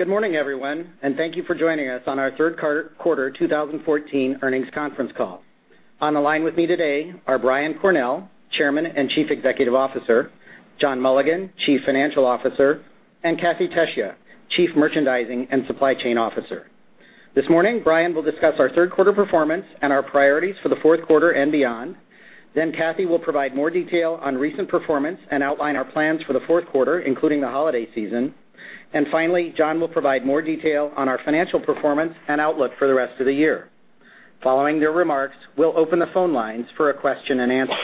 Good morning, everyone, and thank you for joining us on our third quarter 2014 earnings conference call. On the line with me today are Brian Cornell, Chairman and Chief Executive Officer, John Mulligan, Chief Financial Officer, and Kathee Tesija, Chief Merchandising and Supply Chain Officer. This morning, Brian will discuss our third quarter performance and our priorities for the fourth quarter and beyond. Cathy will provide more detail on recent performance and outline our plans for the fourth quarter, including the holiday season. Finally, John will provide more detail on our financial performance and outlook for the rest of the year. Following their remarks, we'll open the phone lines for a question and answer.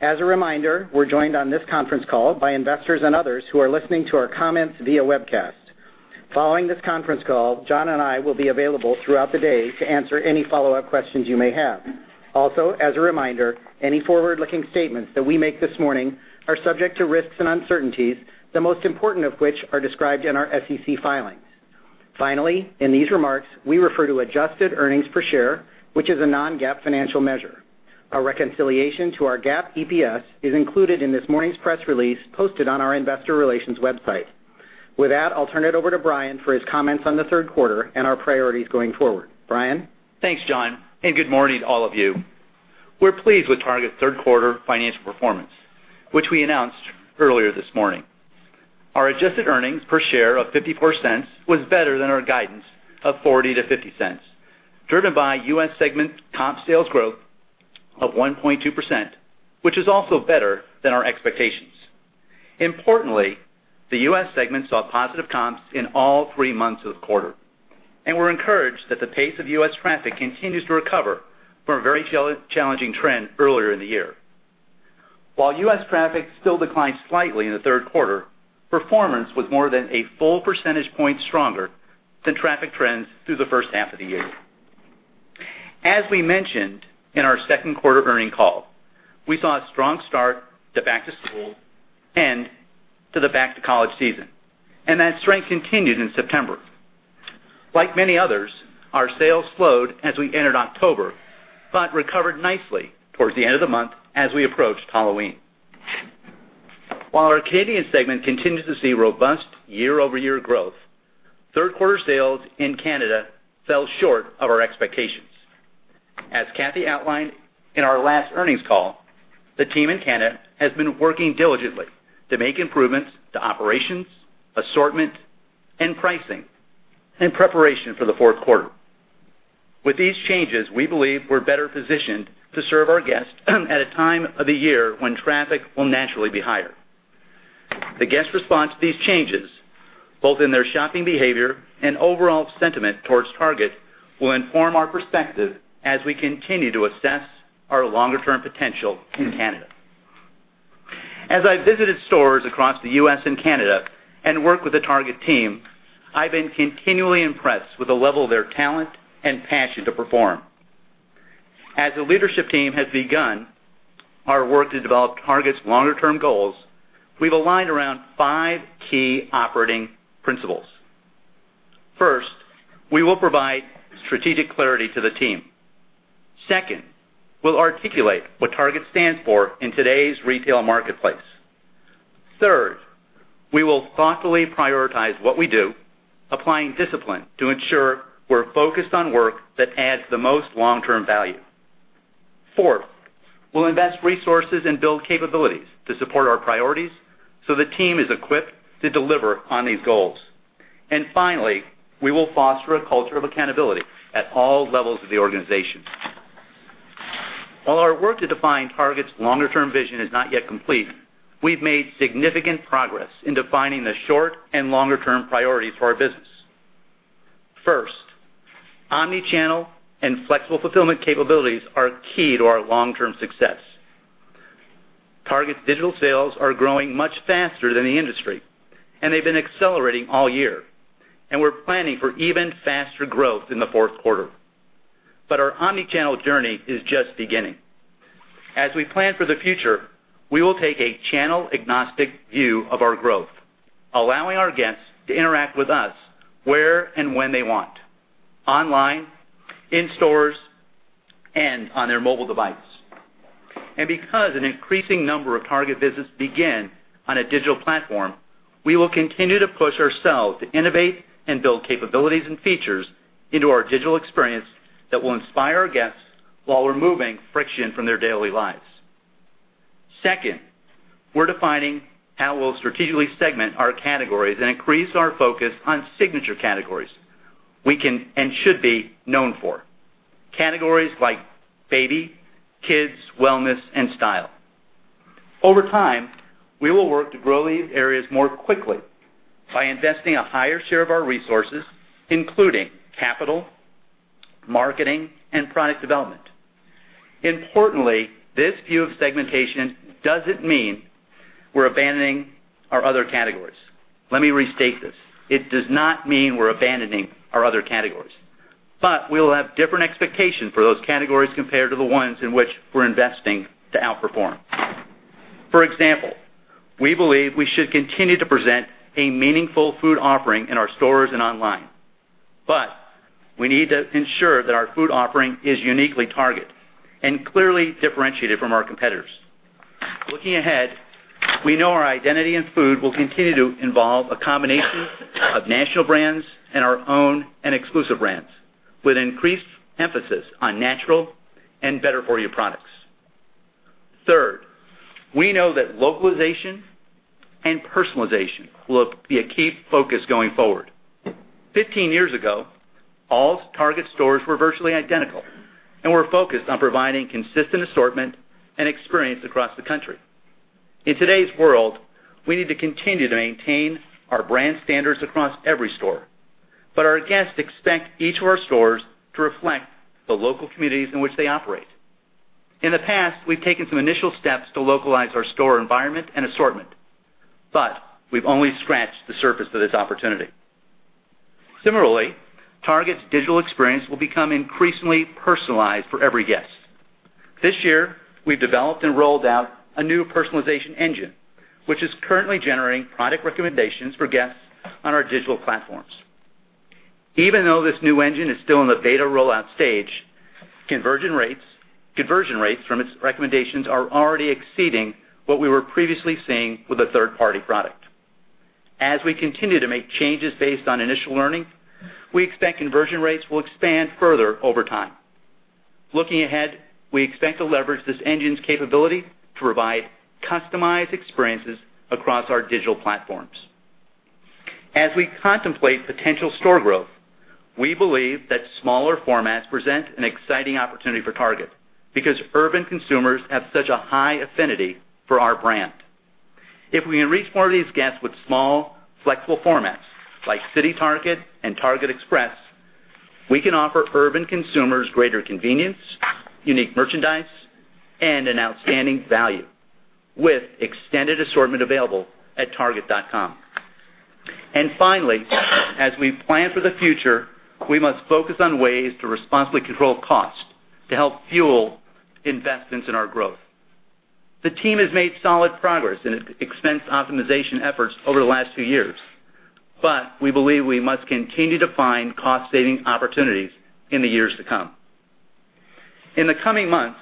As a reminder, we're joined on this conference call by investors and others who are listening to our comments via webcast. Following this conference call, John and I will be available throughout the day to answer any follow-up questions you may have. Also, as a reminder, any forward-looking statements that we make this morning are subject to risks and uncertainties, the most important of which are described in our SEC filings. Finally, in these remarks, we refer to adjusted earnings per share, which is a non-GAAP financial measure. A reconciliation to our GAAP EPS is included in this morning's press release posted on our investor relations website. With that, I'll turn it over to Brian for his comments on the third quarter and our priorities going forward. Brian? Thanks, John, and good morning all of you. We're pleased with Target's third quarter financial performance, which we announced earlier this morning. Our adjusted earnings per share of $0.54 was better than our guidance of $0.40-$0.50, driven by U.S. segment comp sales growth of 1.2%, which is also better than our expectations. Importantly, the U.S. segment saw positive comps in all three months of the quarter, and we're encouraged that the pace of U.S. traffic continues to recover from a very challenging trend earlier in the year. While U.S. traffic still declined slightly in the third quarter, performance was more than a full percentage point stronger than traffic trends through the first half of the year. As we mentioned in our second quarter earnings call, we saw a strong start to back to school and to the back to college season, and that strength continued in September. Like many others, our sales slowed as we entered October, but recovered nicely towards the end of the month as we approached Halloween. While our Canadian segment continues to see robust year-over-year growth, third quarter sales in Canada fell short of our expectations. As Cathy outlined in our last earnings call, the team in Canada has been working diligently to make improvements to operations, assortment, and pricing in preparation for the fourth quarter. With these changes, we believe we're better positioned to serve our guests at a time of the year when traffic will naturally be higher. The guest response to these changes, both in their shopping behavior and overall sentiment towards Target, will inform our perspective as we continue to assess our longer-term potential in Canada. As I've visited stores across the U.S. and Canada and worked with the Target team, I've been continually impressed with the level of their talent and passion to perform. As the leadership team has begun our work to develop Target's longer-term goals, we've aligned around five key operating principles. First, we will provide strategic clarity to the team. Second, we'll articulate what Target stands for in today's retail marketplace. Third, we will thoughtfully prioritize what we do, applying discipline to ensure we're focused on work that adds the most long-term value. Fourth, we'll invest resources and build capabilities to support our priorities so the team is equipped to deliver on these goals. Finally, we will foster a culture of accountability at all levels of the organization. While our work to define Target's longer-term vision is not yet complete, we've made significant progress in defining the short and longer-term priorities for our business. First, omni-channel and flexible fulfillment capabilities are key to our long-term success. Target's digital sales are growing much faster than the industry, and they've been accelerating all year, and we're planning for even faster growth in the fourth quarter. Our omni-channel journey is just beginning. As we plan for the future, we will take a channel-agnostic view of our growth, allowing our guests to interact with us where and when they want, online, in stores, and on their mobile device. Because an increasing number of Target visits begin on a digital platform, we will continue to push ourselves to innovate and build capabilities and features into our digital experience that will inspire our guests while removing friction from their daily lives. Second, we're defining how we'll strategically segment our categories and increase our focus on signature categories we can and should be known for. Categories like baby, kids, wellness, and style. Over time, we will work to grow these areas more quickly by investing a higher share of our resources, including capital, marketing, and product development. Importantly, this view of segmentation doesn't mean we're abandoning our other categories. Let me restate this. It does not mean we're abandoning our other categories. We will have different expectations for those categories compared to the ones in which we're investing to outperform. For example, we believe we should continue to present a meaningful food offering in our stores and online. We need to ensure that our food offering is uniquely Target and clearly differentiated from our competitors. Looking ahead, we know our identity and food will continue to involve a combination of national brands and our own and exclusive brands, with increased emphasis on natural and better for you products. Third, we know that localization and personalization will be a key focus going forward. 15 years ago, all Target stores were virtually identical, and were focused on providing consistent assortment and experience across the country. In today's world, we need to continue to maintain our brand standards across every store, our guests expect each of our stores to reflect the local communities in which they operate. In the past, we've taken some initial steps to localize our store environment and assortment, but we've only scratched the surface of this opportunity. Similarly, Target's digital experience will become increasingly personalized for every guest. This year, we've developed and rolled out a new personalization engine, which is currently generating product recommendations for guests on our digital platforms. Even though this new engine is still in the beta rollout stage, conversion rates from its recommendations are already exceeding what we were previously seeing with a third-party product. As we continue to make changes based on initial learning, we expect conversion rates will expand further over time. Looking ahead, we expect to leverage this engine's capability to provide customized experiences across our digital platforms. As we contemplate potential store growth, we believe that smaller formats present an exciting opportunity for Target because urban consumers have such a high affinity for our brand. If we can reach more of these guests with small, flexible formats like City Target and Target Express, we can offer urban consumers greater convenience, unique merchandise, and an outstanding value with extended assortment available at target.com. Finally, as we plan for the future, we must focus on ways to responsibly control cost to help fuel investments in our growth. The team has made solid progress in its expense optimization efforts over the last few years, but we believe we must continue to find cost-saving opportunities in the years to come. In the coming months,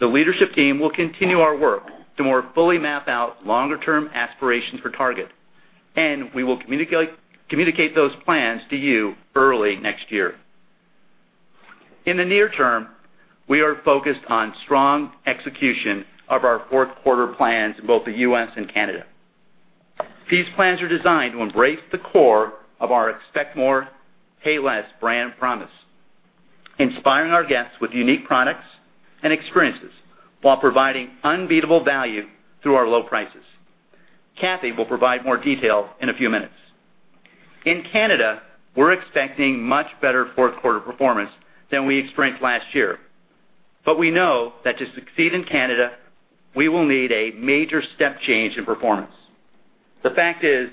the leadership team will continue our work to more fully map out longer term aspirations for Target, and we will communicate those plans to you early next year. In the near term, we are focused on strong execution of our fourth quarter plans in both the U.S. and Canada. These plans are designed to embrace the core of our Expect More. Pay Less. brand promise, inspiring our guests with unique products and experiences while providing unbeatable value through our low prices. Kathee will provide more detail in a few minutes. In Canada, we're expecting much better fourth quarter performance than we experienced last year. We know that to succeed in Canada, we will need a major step change in performance. The fact is,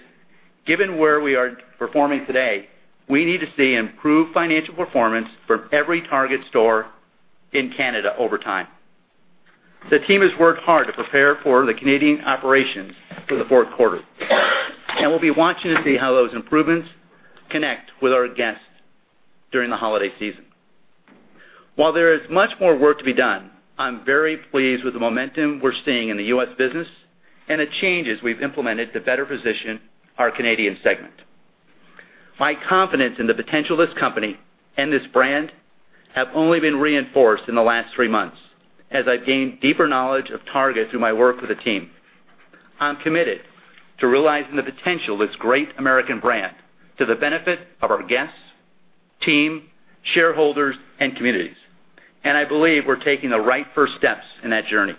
given where we are performing today, we need to see improved financial performance from every Target store in Canada over time. The team has worked hard to prepare for the Canadian operations for the fourth quarter, and we'll be watching to see how those improvements connect with our guests during the holiday season. While there is much more work to be done, I'm very pleased with the momentum we're seeing in the U.S. business and the changes we've implemented to better position our Canadian segment. My confidence in the potential of this company and this brand have only been reinforced in the last three months as I've gained deeper knowledge of Target through my work with the team. I'm committed to realizing the potential of this great American brand to the benefit of our guests, team, shareholders, and communities. I believe we're taking the right first steps in that journey.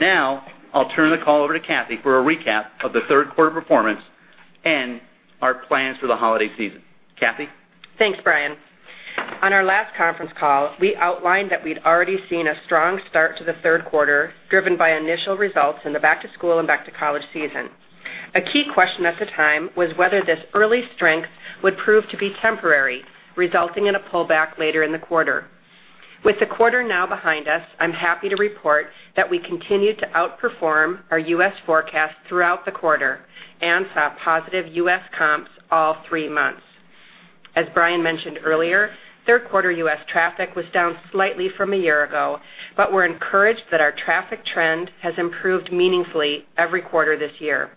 Now, I'll turn the call over to Kathee for a recap of the third quarter performance and our plans for the holiday season. Kathy? Thanks, Brian. On our last conference call, we outlined that we'd already seen a strong start to the third quarter, driven by initial results in the back to school and back to college season. A key question at the time was whether this early strength would prove to be temporary, resulting in a pullback later in the quarter. With the quarter now behind us, I'm happy to report that we continued to outperform our U.S. forecast throughout the quarter and saw positive U.S. comps all three months. As Brian mentioned earlier, third quarter U.S. traffic was down slightly from a year ago, we're encouraged that our traffic trend has improved meaningfully every quarter this year.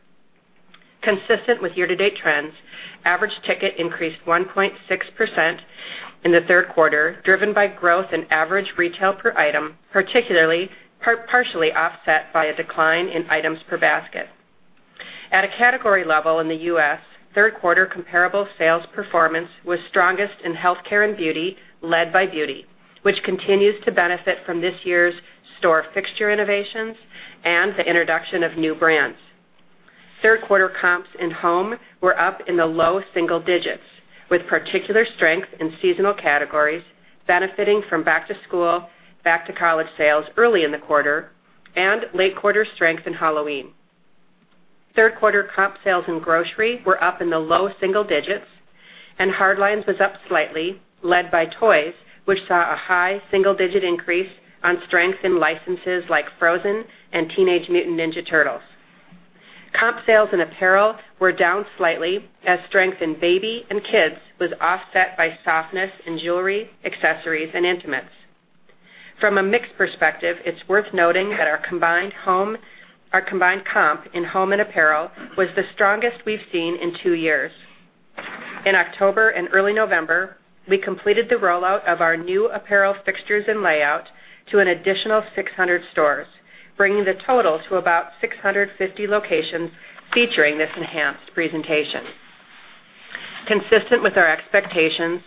Consistent with year-to-date trends, average ticket increased 1.6% in the third quarter, driven by growth in average retail per item, particularly partially offset by a decline in items per basket. At a category level in the U.S., third quarter comparable sales performance was strongest in healthcare and beauty, led by beauty, which continues to benefit from this year's store fixture innovations and the introduction of new brands. Third quarter comps in home were up in the low single digits, with particular strength in seasonal categories, benefiting from back to school, back to college sales early in the quarter, and late quarter strength in Halloween. Third quarter comp sales in grocery were up in the low single digits, hard lines was up slightly, led by toys, which saw a high single-digit increase on strength in licenses like Frozen and Teenage Mutant Ninja Turtles. Comp sales in apparel were down slightly as strength in baby and kids was offset by softness in jewelry, accessories, and intimates. From a mix perspective, it's worth noting that our combined comp in home and apparel was the strongest we've seen in two years. In October and early November, we completed the rollout of our new apparel fixtures and layout to an additional 600 stores, bringing the total to about 650 locations featuring this enhanced presentation. Consistent with our expectations,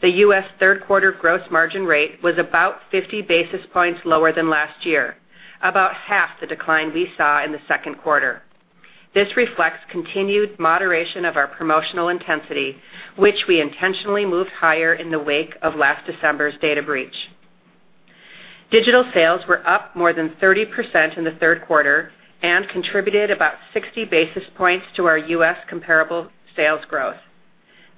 the U.S. third quarter gross margin rate was about 50 basis points lower than last year, about half the decline we saw in the second quarter. This reflects continued moderation of our promotional intensity, which we intentionally moved higher in the wake of last December's data breach. Digital sales were up more than 30% in the third quarter and contributed about 60 basis points to our U.S. comparable sales growth.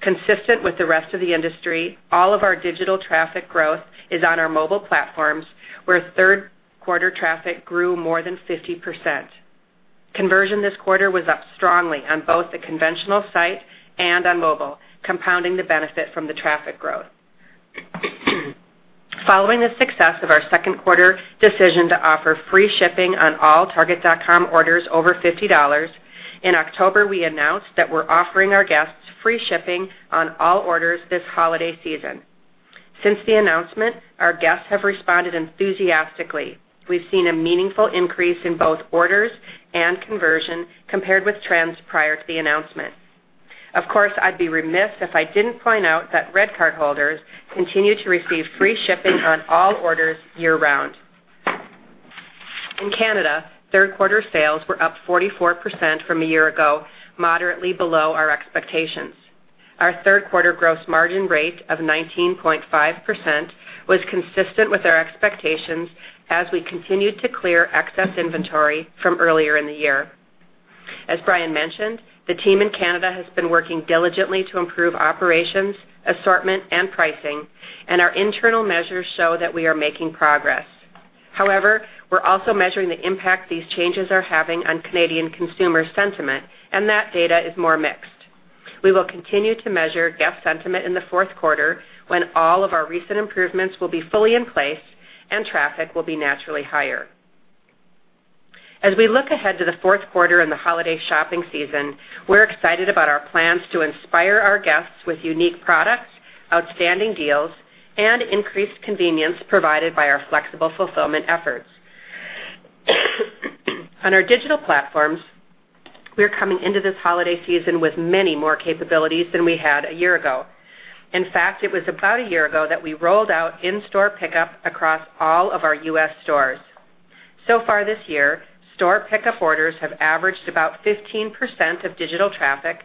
Consistent with the rest of the industry, all of our digital traffic growth is on our mobile platforms, where third-quarter traffic grew more than 50%. Conversion this quarter was up strongly on both the conventional site and on mobile, compounding the benefit from the traffic growth. Following the success of our second quarter decision to offer free shipping on all target.com orders over $50, in October, we announced that we're offering our guests free shipping on all orders this holiday season. Since the announcement, our guests have responded enthusiastically. We've seen a meaningful increase in both orders and conversion compared with trends prior to the announcement. Of course, I'd be remiss if I didn't point out that RedCard holders continue to receive free shipping on all orders year-round. In Canada, third-quarter sales were up 44% from a year ago, moderately below our expectations. Our third-quarter gross margin rate of 19.5% was consistent with our expectations as we continued to clear excess inventory from earlier in the year. As Brian mentioned, the team in Canada has been working diligently to improve operations, assortment, and pricing, and our internal measures show that we are making progress. We're also measuring the impact these changes are having on Canadian consumer sentiment, and that data is more mixed. We will continue to measure guest sentiment in the fourth quarter when all of our recent improvements will be fully in place and traffic will be naturally higher. As we look ahead to the fourth quarter and the holiday shopping season, we're excited about our plans to inspire our guests with unique products, outstanding deals, and increased convenience provided by our flexible fulfillment efforts. On our digital platforms, we're coming into this holiday season with many more capabilities than we had a year ago. It was about a year ago that we rolled out in-store pickup across all of our U.S. stores. So far this year, store pickup orders have averaged about 15% of digital traffic,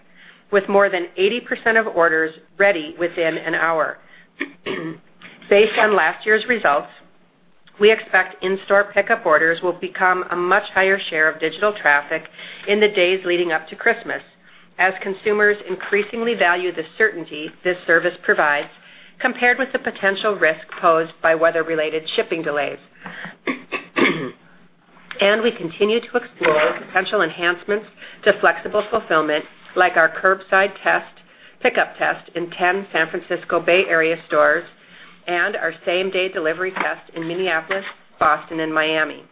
with more than 80% of orders ready within an hour. Based on last year's results, we expect in-store pickup orders will become a much higher share of digital traffic in the days leading up to Christmas as consumers increasingly value the certainty this service provides compared with the potential risk posed by weather-related shipping delays. We continue to explore potential enhancements to flexible fulfillment, like our curbside pickup test in 10 San Francisco Bay Area stores and our same-day delivery test in Minneapolis, Boston, and Miami.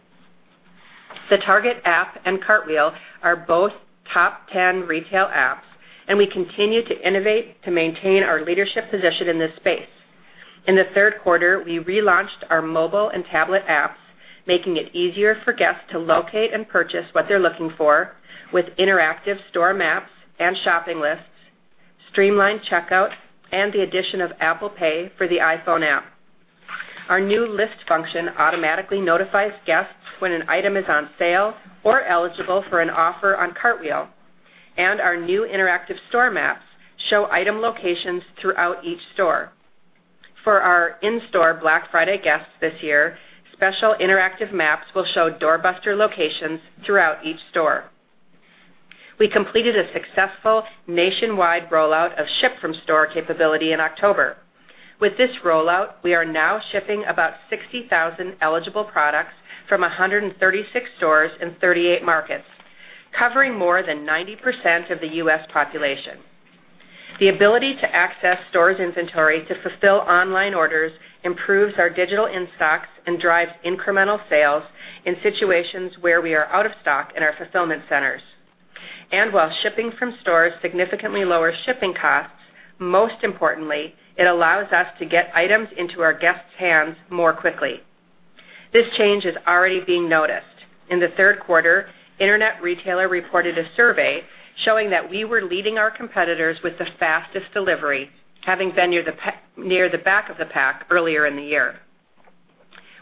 The Target app and Cartwheel are both top 10 retail apps, and we continue to innovate to maintain our leadership position in this space. In the third quarter, we relaunched our mobile and tablet apps, making it easier for guests to locate and purchase what they're looking for with interactive store maps and shopping lists, streamlined checkout, and the addition of Apple Pay for the iPhone app. Our new list function automatically notifies guests when an item is on sale or eligible for an offer on Cartwheel. Our new interactive store maps show item locations throughout each store. For our in-store Black Friday guests this year, special interactive maps will show doorbuster locations throughout each store. We completed a successful nationwide rollout of ship-from-store capability in October. With this rollout, we are now shipping about 60,000 eligible products from 136 stores in 38 markets, covering more than 90% of the U.S. population. The ability to access stores' inventory to fulfill online orders improves our digital in-stocks and drives incremental sales in situations where we are out of stock in our fulfillment centers. While shipping from stores significantly lowers shipping costs, most importantly, it allows us to get items into our guests' hands more quickly. This change is already being noticed. In the third quarter, Internet Retailer reported a survey showing that we were leading our competitors with the fastest delivery, having been near the back of the pack earlier in the year.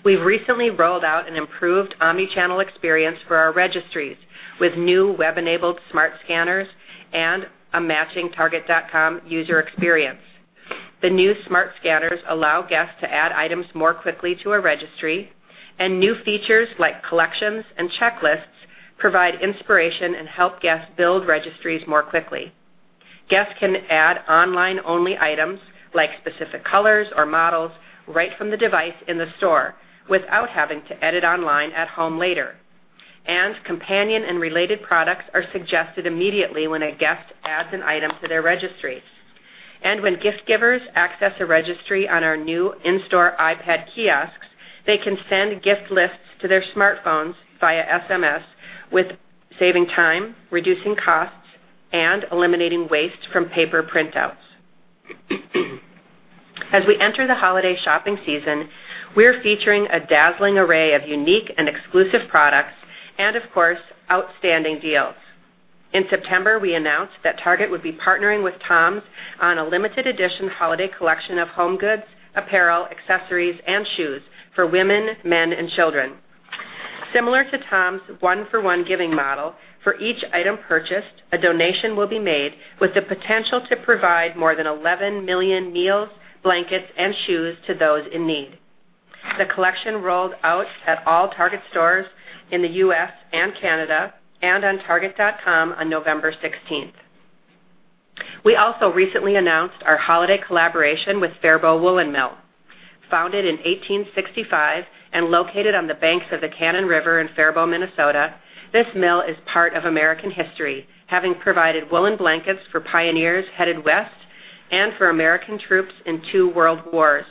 We've recently rolled out an improved omni-channel experience for our registries with new web-enabled smart scanners and a matching target.com user experience. The new smart scanners allow guests to add items more quickly to a registry, new features like collections and checklists provide inspiration and help guests build registries more quickly. Guests can add online-only items like specific colors or models right from the device in the store without having to edit online at home later. Companion and related products are suggested immediately when a guest adds an item to their registry. When gift-givers access a registry on our new in-store iPad kiosks, they can send gift lists to their smartphones via SMS, with saving time, reducing costs, and eliminating waste from paper printouts. As we enter the holiday shopping season, we are featuring a dazzling array of unique and exclusive products, and of course, outstanding deals. In September, we announced that Target would be partnering with TOMS on a limited edition holiday collection of home goods, apparel, accessories, and shoes for women, men, and children. Similar to TOMS' one-for-one giving model, for each item purchased, a donation will be made with the potential to provide more than 11 million meals, blankets, and shoes to those in need. The collection rolled out at all Target stores in the U.S. and Canada and on target.com on November 16th. We also recently announced our holiday collaboration with Faribault Woolen Mill. Founded in 1865 and located on the banks of the Cannon River in Faribault, Minnesota, this mill is part of American history, having provided woolen blankets for pioneers headed west and for American troops in two world wars.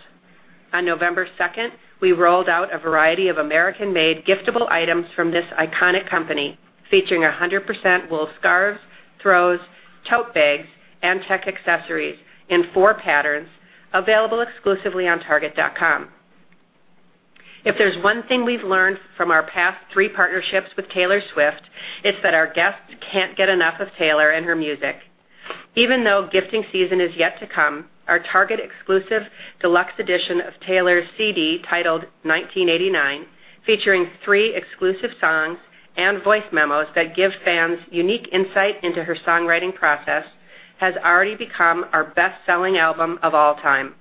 On November 2nd, we rolled out a variety of American-made giftable items from this iconic company, featuring 100% wool scarves, throws, tote bags, and tech accessories in four patterns available exclusively on target.com. If there's one thing we've learned from our past three partnerships with Taylor Swift, it's that our guests can't get enough of Taylor and her music. Even though gifting season is yet to come, our Target exclusive deluxe edition of Taylor's CD, titled "1989," featuring three exclusive songs and voice memos that give fans unique insight into her songwriting process, has already become our best-selling album of all time.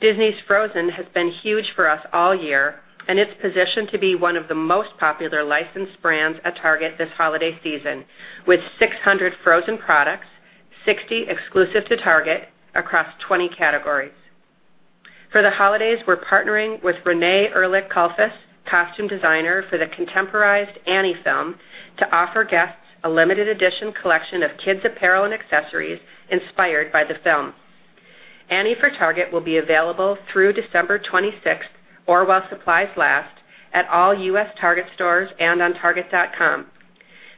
Disney's "Frozen" has been huge for us all year, and it's positioned to be one of the most popular licensed brands at Target this holiday season. With 600 Frozen products, 60 exclusive to Target, across 20 categories. For the holidays, we're partnering with Renée Ehrlich Kalfus, costume designer for the contemporized "Annie" film, to offer guests a limited edition collection of kids apparel and accessories inspired by the film. Annie for Target will be available through December 26th or while supplies last at all U.S. Target stores and on target.com.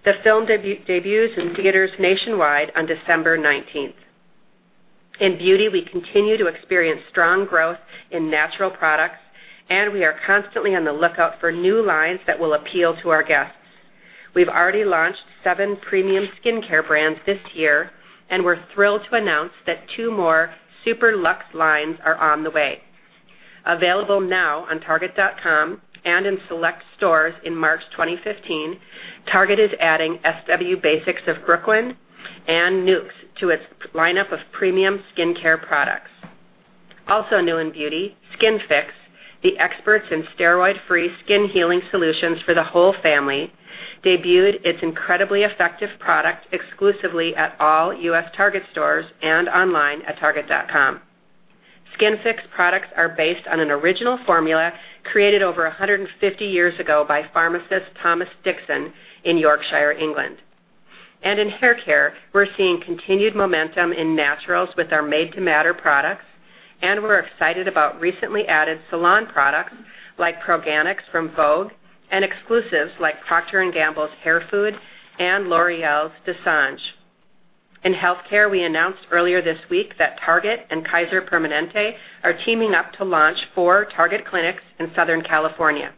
The film debuts in theaters nationwide on December 19th. In beauty, we continue to experience strong growth in natural products, and we are constantly on the lookout for new lines that will appeal to our guests. We've already launched seven premium skincare brands this year, and we're thrilled to announce that two more super luxe lines are on the way. Available now on target.com and in select stores in March 2015, Target is adding S.W. Basics of Brooklyn and Nuxe to its lineup of premium skincare products. Also new in beauty, Skinfix, the experts in steroid-free skin-healing solutions for the whole family, debuted its incredibly effective product exclusively at all U.S. Target stores and online at target.com. Skinfix products are based on an original formula created over 150 years ago by pharmacist Thomas Dixon in Yorkshire, England. In haircare, we're seeing continued momentum in naturals with our Made to Matter products, and we're excited about recently added salon products like Proganix from Vogue International and exclusives like Procter & Gamble's Hair Food and L'Oréal's Dessange. In healthcare, we announced earlier this week that Target and Kaiser Permanente are teaming up to launch four Target clinics in Southern California.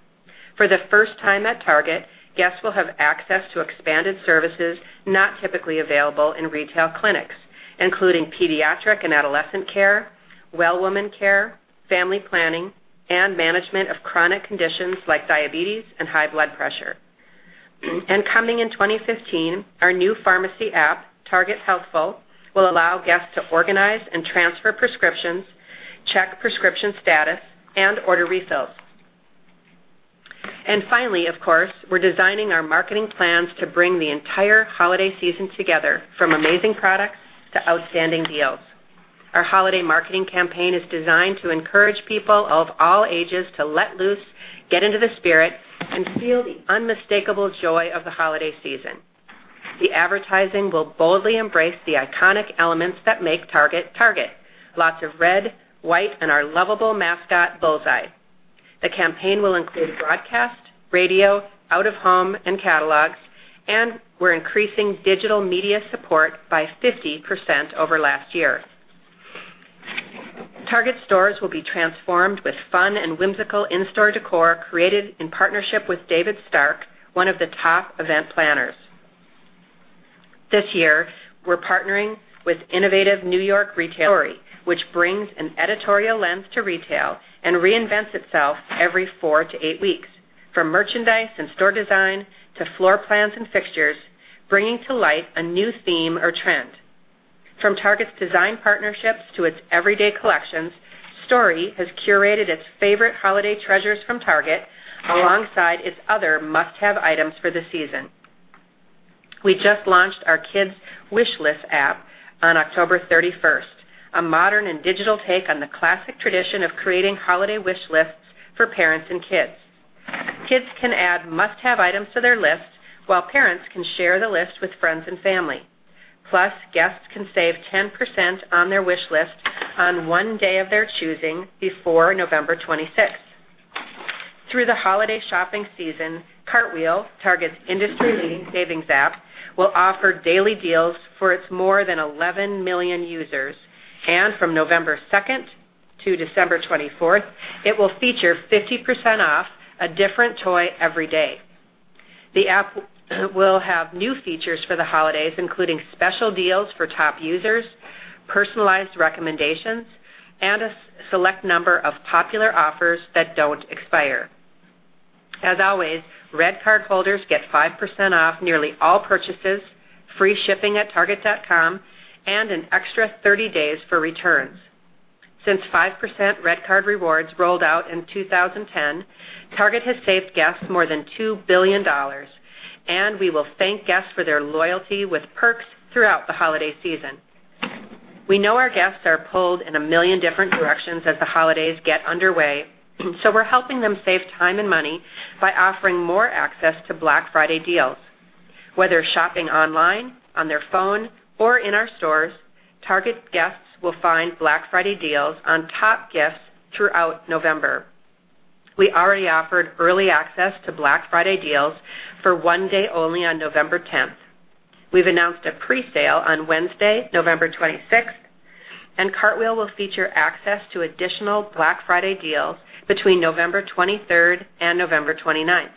For the first time at Target, guests will have access to expanded services not typically available in retail clinics, including pediatric and adolescent care, well-woman care, family planning, and management of chronic conditions like diabetes and high blood pressure. Coming in 2015, our new pharmacy app, Target Healthful, will allow guests to organize and transfer prescriptions, check prescription status, and order refills. Finally, of course, we're designing our marketing plans to bring the entire holiday season together, from amazing products to outstanding deals. Our holiday marketing campaign is designed to encourage people of all ages to let loose, get into the spirit, and feel the unmistakable joy of the holiday season. The advertising will boldly embrace the iconic elements that make Target. Lots of red, white, and our lovable mascot, Bullseye. The campaign will include broadcast, radio, out-of-home, and catalogs. We're increasing digital media support by 50% over last year. Target stores will be transformed with fun and whimsical in-store decor created in partnership with David Stark, one of the top event planners. This year, we're partnering with innovative New York retailer, Story, which brings an editorial lens to retail and reinvents itself every four to eight weeks, from merchandise and store design to floor plans and fixtures, bringing to life a new theme or trend. From Target's design partnerships to its everyday collections, Story has curated its favorite holiday treasures from Target alongside its other must-have items for the season. We just launched our kids' wish list app on October 31st, a modern and digital take on the classic tradition of creating holiday wish lists for parents and kids. Kids can add must-have items to their list while parents can share the list with friends and family. Plus, guests can save 10% on their wish list on one day of their choosing before November 26th. From November 2nd to December 24th, it will feature 50% off a different toy every day. The app will have new features for the holidays, including special deals for top users, personalized recommendations, and a select number of popular offers that don't expire. As always, RedCard holders get 5% off nearly all purchases, free shipping at target.com, and an extra 30 days for returns. Since 5% RedCard rewards rolled out in 2010, Target has saved guests more than $2 billion. We will thank guests for their loyalty with perks throughout the holiday season. We know our guests are pulled in a million different directions as the holidays get underway. We're helping them save time and money by offering more access to Black Friday deals. Whether shopping online, on their phone, or in our stores, Target guests will find Black Friday deals on top gifts throughout November. We already offered early access to Black Friday deals for one day only on November 10th. We've announced a presale on Wednesday, November 26th. Cartwheel will feature access to additional Black Friday deals between November 23rd and November 29th.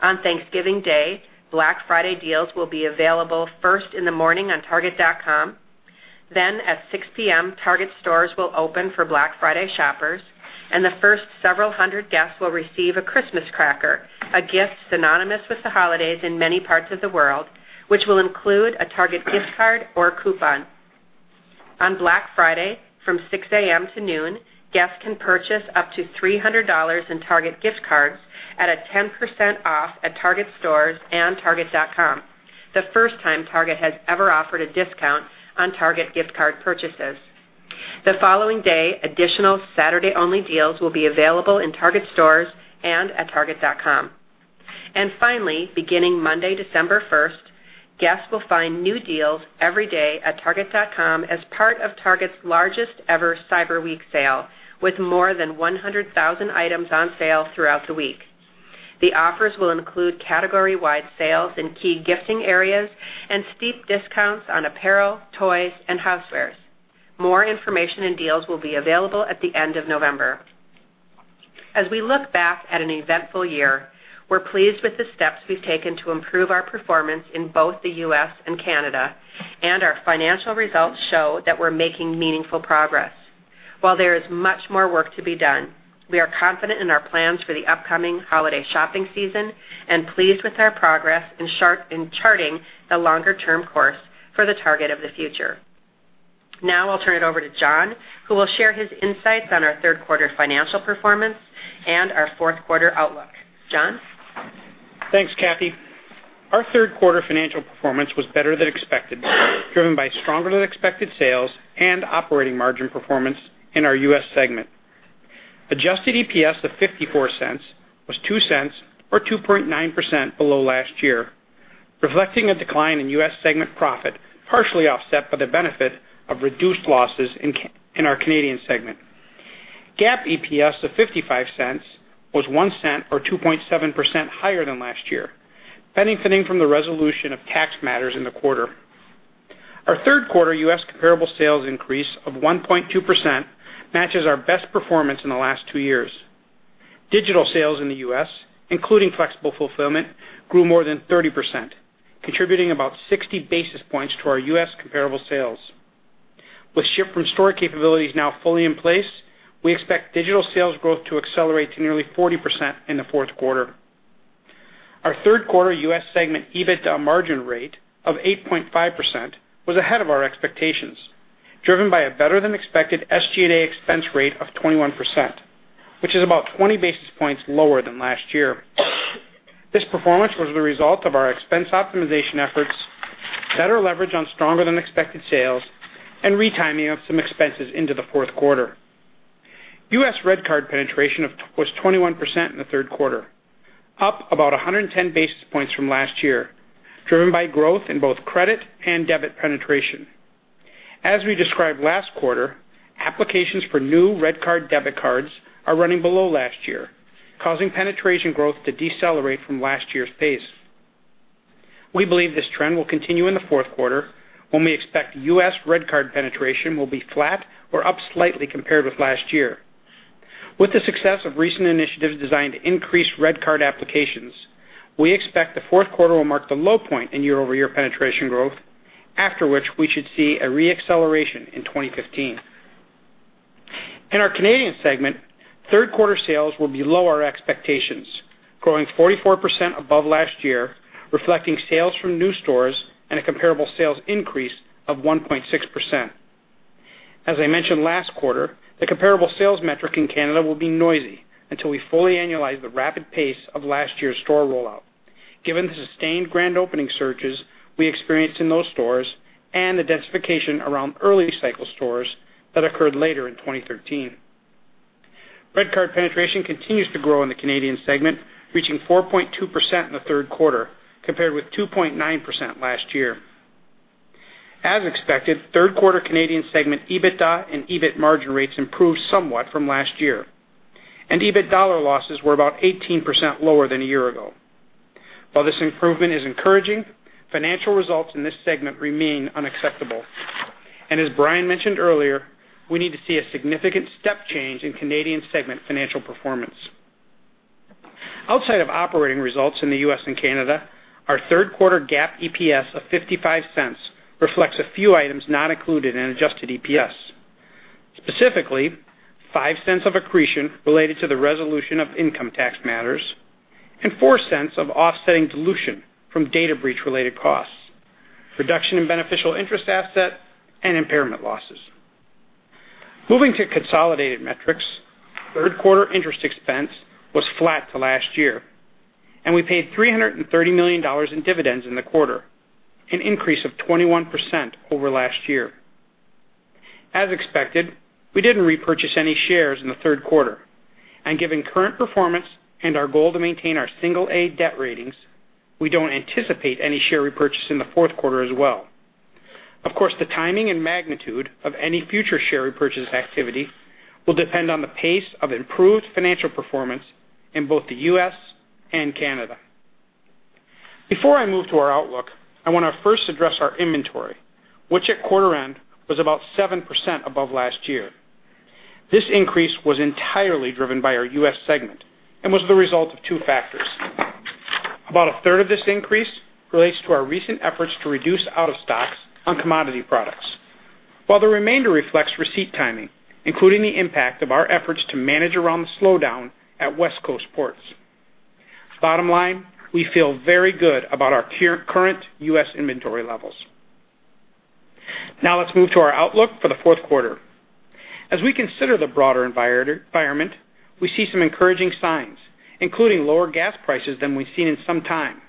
On Thanksgiving Day, Black Friday deals will be available first in the morning on target.com. At 6:00 P.M., Target stores will open for Black Friday shoppers. The first several hundred guests will receive a Christmas cracker, a gift synonymous with the holidays in many parts of the world, which will include a Target gift card or coupon. On Black Friday from 6:00 A.M. to noon, guests can purchase up to $300 in Target gift cards at a 10% off at Target stores and target.com, the first time Target has ever offered a discount on Target gift card purchases. The following day, additional Saturday-only deals will be available in Target stores and at target.com. Finally, beginning Monday, December 1st, guests will find new deals every day at target.com as part of Target's largest ever Cyber Week sale, with more than 100,000 items on sale throughout the week. The offers will include category-wide sales in key gifting areas and steep discounts on apparel, toys, and housewares. More information and deals will be available at the end of November. As we look back at an eventful year, we're pleased with the steps we've taken to improve our performance in both the U.S. and Canada. Our financial results show that we're making meaningful progress. While there is much more work to be done, we are confident in our plans for the upcoming holiday shopping season and pleased with our progress in charting the longer-term course for the Target of the future. I'll turn it over to John, who will share his insights on our third quarter financial performance and our fourth quarter outlook. John? Thanks, Cathy. Our third quarter financial performance was better than expected, driven by stronger-than-expected sales and operating margin performance in our U.S. segment. Adjusted EPS of $0.54 was $0.02 or 2.9% below last year, reflecting a decline in U.S. segment profit, partially offset by the benefit of reduced losses in our Canadian segment. GAAP EPS of $0.55 was $0.01 or 2.7% higher than last year, benefiting from the resolution of tax matters in the quarter. Our third quarter U.S. comparable sales increase of 1.2% matches our best performance in the last two years. Digital sales in the U.S., including flexible fulfillment, grew more than 30%, contributing about 60 basis points to our U.S. comparable sales. With ship-from-store capabilities now fully in place, we expect digital sales growth to accelerate to nearly 40% in the fourth quarter. Our third quarter U.S. segment EBITDA margin rate of 8.5% was ahead of our expectations, driven by a better-than-expected SG&A expense rate of 21%, which is about 20 basis points lower than last year. This performance was the result of our expense optimization efforts, better leverage on stronger-than-expected sales, and retiming of some expenses into the fourth quarter. U.S. Target RedCard penetration was 21% in the third quarter, up about 110 basis points from last year, driven by growth in both credit and debit penetration. As we described last quarter, applications for new Target RedCard debit cards are running below last year, causing penetration growth to decelerate from last year's pace. We believe this trend will continue in the fourth quarter, when we expect U.S. Target RedCard penetration will be flat or up slightly compared with last year. With the success of recent initiatives designed to increase Target RedCard applications, we expect the fourth quarter will mark the low point in year-over-year penetration growth, after which we should see a re-acceleration in 2015. In our Canadian segment, third quarter sales will be below our expectations, growing 44% above last year, reflecting sales from new stores and a comparable sales increase of 1.6%. As I mentioned last quarter, the comparable sales metric in Canada will be noisy until we fully annualize the rapid pace of last year's store rollout. Given the sustained grand opening surges we experienced in those stores and the densification around early cycle stores that occurred later in 2013. Target RedCard penetration continues to grow in the Canadian segment, reaching 4.2% in the third quarter, compared with 2.9% last year. As expected, third quarter Canadian segment EBITDA and EBIT margin rates improved somewhat from last year, and EBIT dollar losses were about 18% lower than a year ago. While this improvement is encouraging, financial results in this segment remain unacceptable. As Brian mentioned earlier, we need to see a significant step change in Canadian segment financial performance. Outside of operating results in the U.S. and Canada, our third quarter GAAP EPS of $0.55 reflects a few items not included in adjusted EPS. Specifically, $0.05 of accretion related to the resolution of income tax matters, and $0.04 of offsetting dilution from data breach related costs, reduction in beneficial interest asset, and impairment losses. Moving to consolidated metrics, third quarter interest expense was flat to last year, and we paid $330 million in dividends in the quarter, an increase of 21% over last year. As expected, we didn't repurchase any shares in the third quarter. Given current performance and our goal to maintain our single A debt ratings, we don't anticipate any share repurchase in the fourth quarter as well. Of course, the timing and magnitude of any future share repurchase activity will depend on the pace of improved financial performance in both the U.S. and Canada. Before I move to our outlook, I want to first address our inventory, which at quarter end was about 7% above last year. This increase was entirely driven by our U.S. segment and was the result of two factors. About a third of this increase relates to our recent efforts to reduce out of stocks on commodity products, while the remainder reflects receipt timing, including the impact of our efforts to manage around the slowdown at West Coast ports. Bottom line, we feel very good about our current U.S. inventory levels. Now let's move to our outlook for the fourth quarter. As we consider the broader environment, we see some encouraging signs, including lower gas prices than we've seen in some time.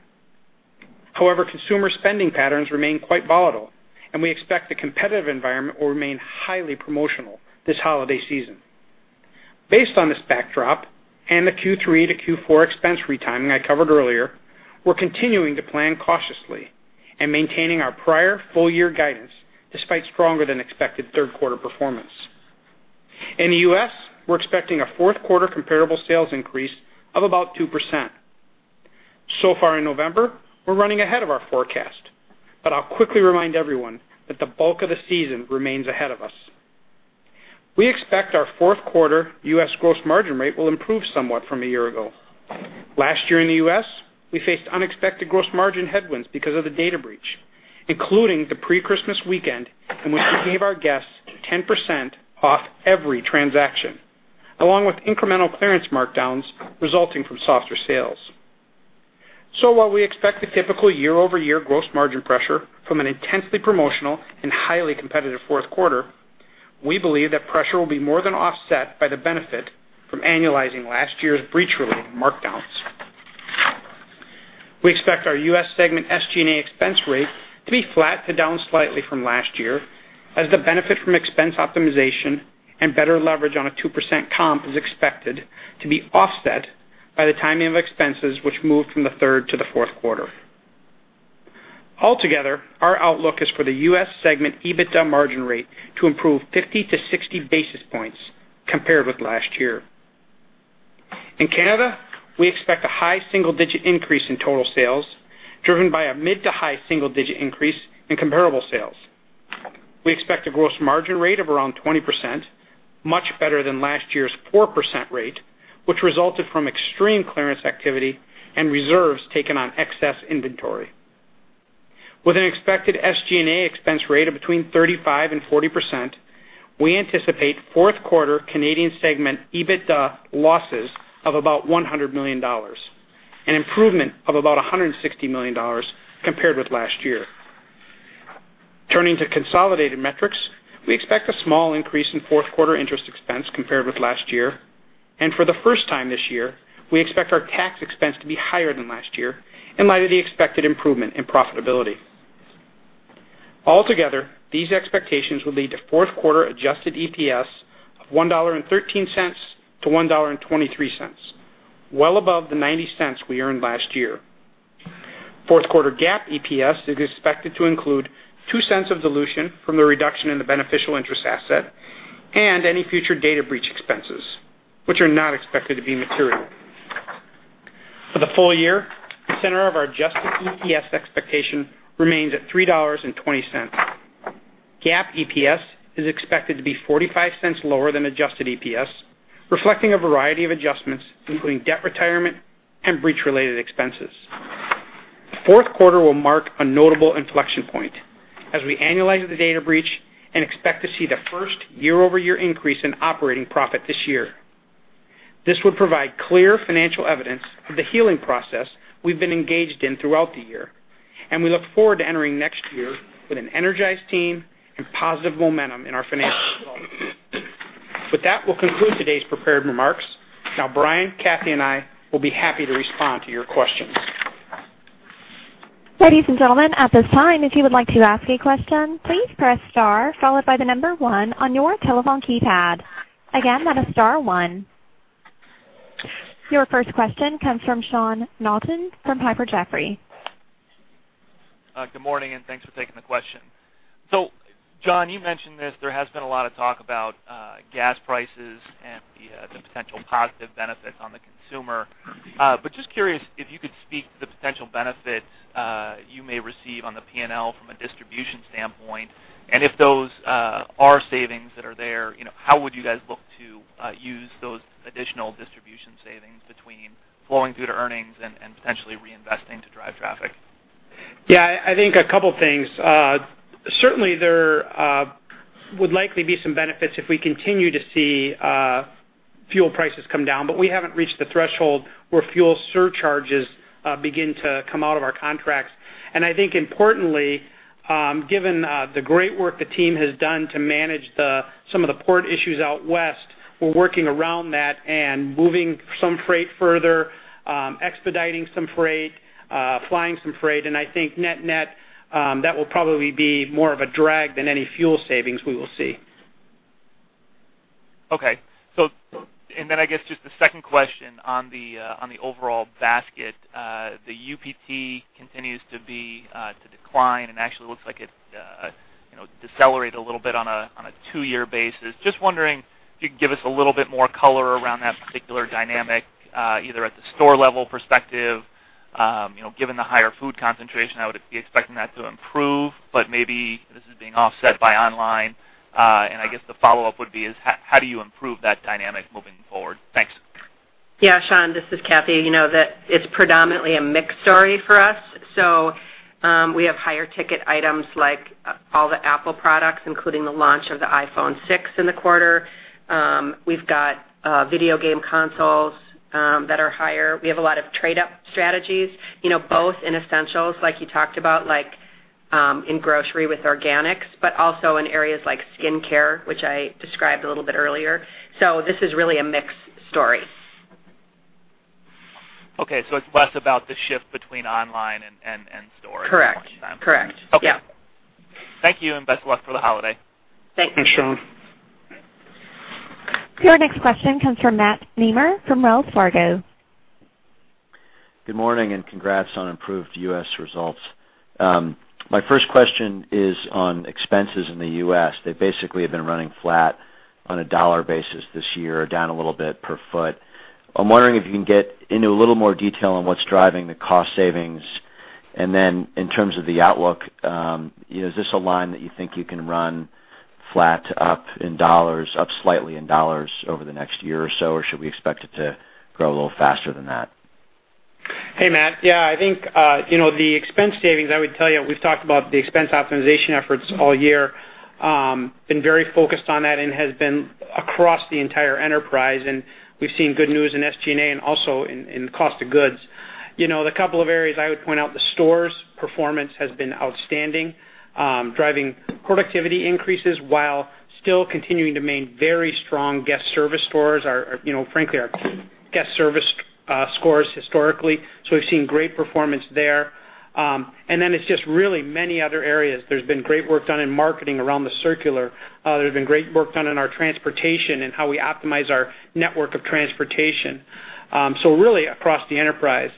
However, consumer spending patterns remain quite volatile, we expect the competitive environment will remain highly promotional this holiday season. Based on this backdrop and the Q3 to Q4 expense retiming I covered earlier, we're continuing to plan cautiously and maintaining our prior full year guidance despite stronger than expected third quarter performance. In the U.S., we're expecting a fourth quarter comparable sales increase of about 2%. So far in November, we're running ahead of our forecast, I'll quickly remind everyone that the bulk of the season remains ahead of us. We expect our fourth quarter U.S. gross margin rate will improve somewhat from a year ago. Last year in the U.S., we faced unexpected gross margin headwinds because of the data breach, including the pre-Christmas weekend in which we gave our guests 10% off every transaction, along with incremental clearance markdowns resulting from softer sales. While we expect the typical year-over-year gross margin pressure from an intensely promotional and highly competitive fourth quarter, we believe that pressure will be more than offset by the benefit from annualizing last year's breach-related markdowns. We expect our U.S. segment SG&A expense rate to be flat to down slightly from last year, as the benefit from expense optimization and better leverage on a 2% comp is expected to be offset by the timing of expenses, which moved from the third to the fourth quarter. Altogether, our outlook is for the U.S. segment EBITDA margin rate to improve 50 to 60 basis points compared with last year. In Canada, we expect a high single-digit increase in total sales, driven by a mid to high single-digit increase in comparable sales. We expect a gross margin rate of around 20%, much better than last year's 4% rate, which resulted from extreme clearance activity and reserves taken on excess inventory. With an expected SG&A expense rate of between 35% and 40%, we anticipate fourth quarter Canadian segment EBITDA losses of about $100 million, an improvement of about $160 million compared with last year. Turning to consolidated metrics, we expect a small increase in fourth quarter interest expense compared with last year. For the first time this year, we expect our tax expense to be higher than last year in light of the expected improvement in profitability. Altogether, these expectations will lead to fourth quarter adjusted EPS of $1.13-$1.23, well above the $0.90 we earned last year. fourth quarter GAAP EPS is expected to include $0.02 of dilution from the reduction in the beneficial interest asset and any future data breach expenses, which are not expected to be material. For the full year, the center of our adjusted EPS expectation remains at $3.20. GAAP EPS is expected to be $0.45 lower than adjusted EPS, reflecting a variety of adjustments including debt retirement and breach related expenses. fourth quarter will mark a notable inflection point as we annualize the data breach and expect to see the first year-over-year increase in operating profit this year. This will provide clear financial evidence of the healing process we've been engaged in throughout the year. We look forward to entering next year with an energized team and positive momentum in our financial results. With that, we'll conclude today's prepared remarks. Now, Brian, Cathy, and I will be happy to respond to your questions. Ladies and gentlemen, at this time, if you would like to ask a question, please press star followed by the number 1 on your telephone keypad. Again, that is star 1. Your first question comes from Sean Naughton from Piper Jaffray. Good morning. Thanks for taking the question. John, you mentioned this, there has been a lot of talk about gas prices and the potential positive benefits on the consumer. Just curious if you could speak to the potential benefits you may receive on the P&L from a distribution standpoint, and if those are savings that are there, how would you guys look to use those additional distribution savings between flowing through to earnings and potentially reinvesting to drive traffic? Yeah, I think a couple things. Certainly, there would likely be some benefits if we continue to see fuel prices come down, but we haven't reached the threshold where fuel surcharges begin to come out of our contracts. I think importantly, given the great work the team has done to manage some of the port issues out west, we're working around that and moving some freight further, expediting some freight, flying some freight, and I think net-net, that will probably be more of a drag than any fuel savings we will see. Okay. I guess just the second question on the overall basket, the UPT continues to decline and actually looks like it decelerated a little bit on a two-year basis. Just wondering if you could give us a little bit more color around that particular dynamic, either at the store level perspective. Given the higher food concentration, I would be expecting that to improve, but maybe this is being offset by online. I guess the follow-up would be is, how do you improve that dynamic moving forward? Thanks. Yeah, Sean, this is Cathy. You know that it's predominantly a mixed story for us. We have higher ticket items like all the Apple products, including the launch of the iPhone 6 in the quarter. We've got video game consoles that are higher. We have a lot of trade-up strategies both in essentials like you talked about, like in grocery with organics, but also in areas like skincare, which I described a little bit earlier. This is really a mixed story. Okay, it's less about the shift between online and store. Correct. at this time. Correct. Yeah. Okay. Thank you, best of luck for the holiday. Thank you, Sean. Your next question comes from Matt Nemer from Wells Fargo. Good morning. Congrats on improved U.S. results. My first question is on expenses in the U.S. They basically have been running flat on a dollar basis this year, down a little bit per foot. I'm wondering if you can get into a little more detail on what's driving the cost savings. Then in terms of the outlook, is this a line that you think you can run flat up in dollars, up slightly in dollars over the next year or so, or should we expect it to grow a little faster than that? Hey, Matt. I think, the expense savings, I would tell you, we've talked about the expense optimization efforts all year. Been very focused on that and has been across the entire enterprise. We've seen good news in SG&A and also in cost of goods. The couple of areas I would point out. The stores' performance has been outstanding, driving productivity increases while still continuing to maintain very strong guest service scores, frankly, our guest service scores historically. We've seen great performance there. Then it's just really many other areas. There's been great work done in marketing around the circular. There's been great work done on our transportation and how we optimize our network of transportation. Really across the enterprise.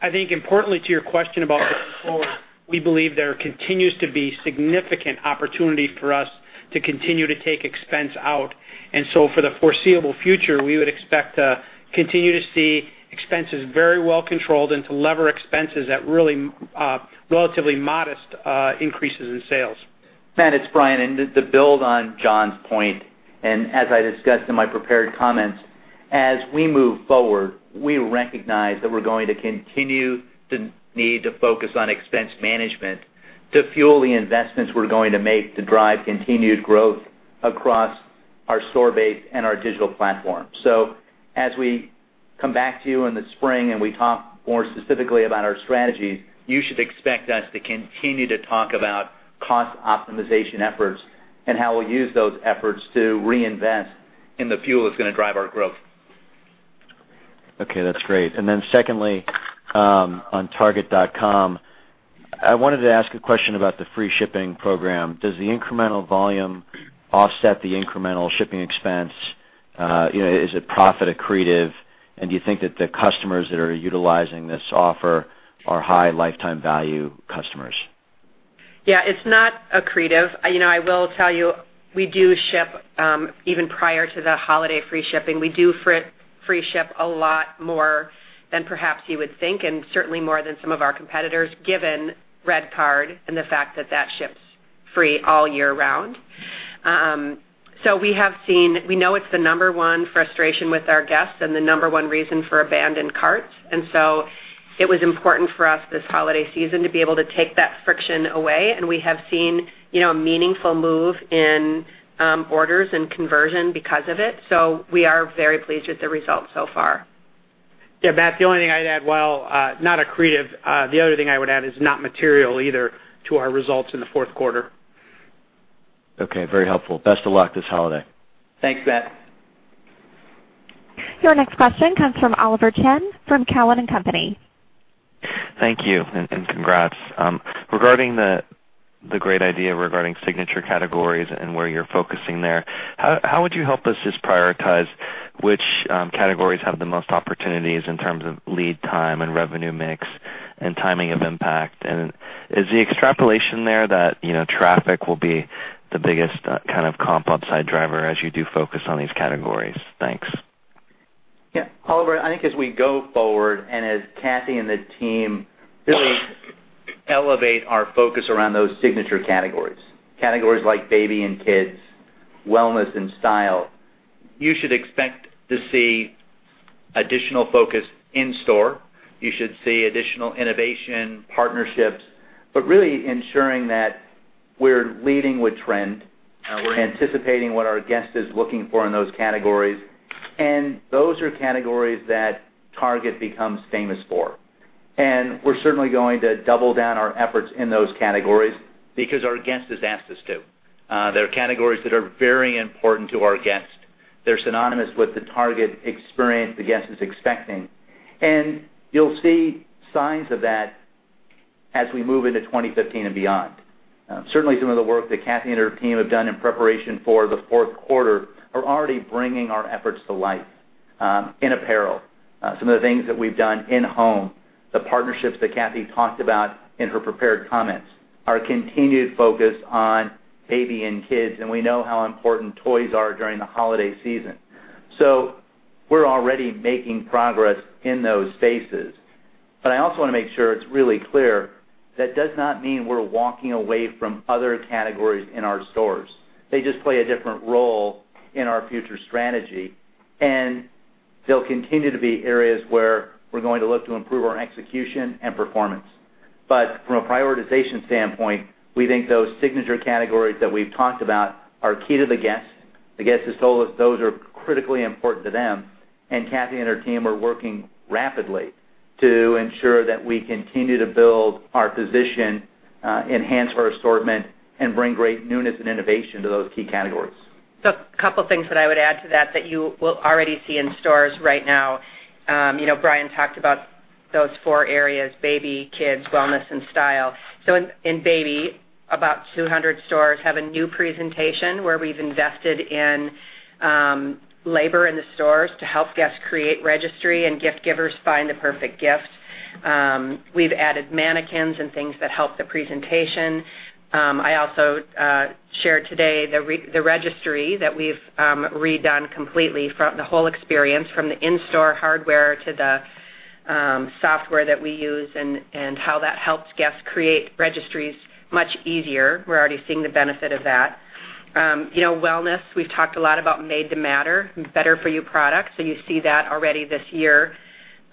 I think importantly to your question about going forward, we believe there continues to be significant opportunity for us to continue to take expense out. For the foreseeable future, we would expect to continue to see expenses very well controlled and to lever expenses at really relatively modest increases in sales. Matt, it's Brian. To build on John's point, as I discussed in my prepared comments, as we move forward, we recognize that we're going to continue to need to focus on expense management to fuel the investments we're going to make to drive continued growth across our store base and our digital platform. As we come back to you in the spring and we talk more specifically about our strategy, you should expect us to continue to talk about cost optimization efforts and how we'll use those efforts to reinvest in the fuel that's going to drive our growth. Okay, that's great. Secondly, on target.com, I wanted to ask a question about the free shipping program. Does the incremental volume offset the incremental shipping expense? Is it profit accretive, and do you think that the customers that are utilizing this offer are high lifetime value customers? Yeah, it's not accretive. I will tell you, we do ship, even prior to the holiday free shipping. We do free ship a lot more than perhaps you would think, and certainly more than some of our competitors, given Target RedCard and the fact that that ships free all year round. We have seen we know it's the number one frustration with our guests and the number one reason for abandoned carts. It was important for us this holiday season to be able to take that friction away. We have seen a meaningful move in orders and conversion because of it. We are very pleased with the results so far. Yeah, Matt, the only thing I'd add, while not accretive, the other thing I would add is not material either to our results in the fourth quarter. Okay, very helpful. Best of luck this holiday. Thanks, Matt. Your next question comes from Oliver Chen from Cowen and Company. Thank you, and congrats. Regarding the great idea regarding signature categories and where you're focusing there, how would you help us just prioritize which categories have the most opportunities in terms of lead time and revenue mix and timing of impact? Is the extrapolation there that traffic will be the biggest kind of comp upside driver as you do focus on these categories? Thanks. Yeah. Oliver, I think as we go forward, as Cathy and the team really elevate our focus around those signature categories like baby and kids, wellness, and style, you should expect to see additional focus in store. You should see additional innovation partnerships, but really ensuring that we're leading with trend. We're anticipating what our guest is looking for in those categories. Those are categories that Target becomes famous for. We're certainly going to double down our efforts in those categories because our guest has asked us to. They're categories that are very important to our guest. They're synonymous with the Target experience the guest is expecting. You'll see signs of that as we move into 2015 and beyond. Certainly, some of the work that Cathy and her team have done in preparation for the fourth quarter are already bringing our efforts to life, in apparel. Some of the things that we've done in-home, the partnerships that Cathy talked about in her prepared comments, our continued focus on baby and kids, and we know how important toys are during the holiday season. We're already making progress in those spaces. I also want to make sure it's really clear that does not mean we're walking away from other categories in our stores. They just play a different role in our future strategy, they'll continue to be areas where we're going to look to improve our execution and performance. From a prioritization standpoint, we think those signature categories that we've talked about are key to the guest. The guest has told us those are critically important to them, Cathy and her team are working rapidly to ensure that we continue to build our position, enhance our assortment, and bring great newness and innovation to those key categories. A couple things that I would add to that that you will already see in stores right now. Brian talked about those four areas, baby, kids, wellness, and style. In baby, about 200 stores have a new presentation where we've invested in labor in the stores to help guests create registry and gift-givers find the perfect gift. We've added mannequins and things that help the presentation. I also shared today the registry that we've redone completely from the whole experience, from the in-store hardware to the software that we use and how that helps guests create registries much easier. We're already seeing the benefit of that. Wellness, we've talked a lot about Made to Matter, better-for-you products, you see that already this year.